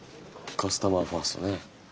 カスタマーファーストねえ。